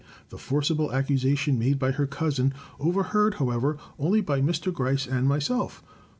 The forcible accusation made by her cousin — overheard, how ever, only by Mr. Gryce and myself.